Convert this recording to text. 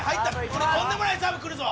これとんでもないサーブくるぞ！